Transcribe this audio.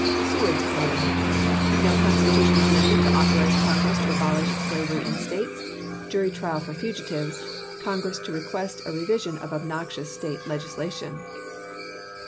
SEWARD'S PLAN. No constitutional amendment to authorize Congress to abolish slavery in States ; jury trial for fugitives ; Con gress to request a revision of obnoxious State legisla tion.